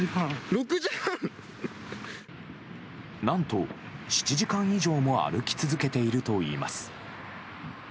何と７時間以上も歩き続けているといいます。